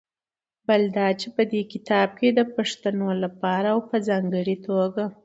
بل دا چې په دې کتاب کې د پښتنو لپاره او په ځانګړې توګه